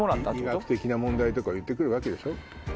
医学的な問題とか言って来るわけでしょ。